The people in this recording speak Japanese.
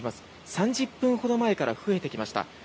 ３０分ほど前から増えてきました。